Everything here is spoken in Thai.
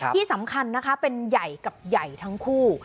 ที่สำคัญนะคะเป็นใหญ่กับใหญ่ทั้งคู่